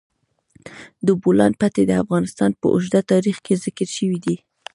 د بولان پټي د افغانستان په اوږده تاریخ کې ذکر شوی دی.